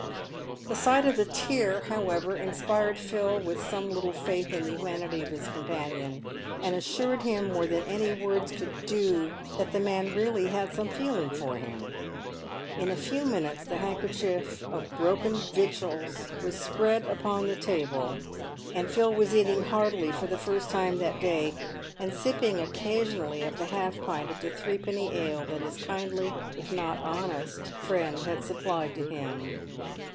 The sight of the tear, however, inspired Phil with some little faith in the humanity of his companion, and assured him more than any words could do that the man really had some feeling for him. In a few minutes the handkerchief of broken victuals was spread upon the table, and Phil was eating heartily, for the first time that day, and sipping occasionally at the half pint of threepenny ale that his kindly, if not honest, friend had supplied to him.